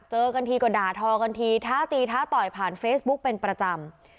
เจอกันทีก็ด่าทอกันทีท้าตีท้าต่อยผ่านเฟซบุ๊กเป็นประจำ